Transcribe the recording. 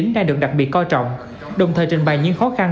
đang được đặc biệt co trọng đồng thời trình bày những khó khăn